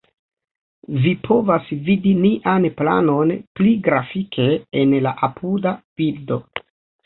Vi povas vidi nian planon pli grafike en la apuda bildo.